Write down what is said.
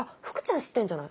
知ってんじゃない？